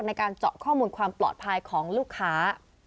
ในการเจาะข้อมูลความปลอดภัยของลูกค้า